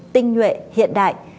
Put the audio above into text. tinh nhuệ hiện đại